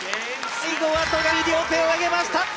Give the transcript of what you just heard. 最後は戸上、両手を上げました！